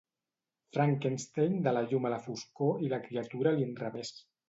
Frankenstein de la llum a la foscor i la criatura a l'inrevés.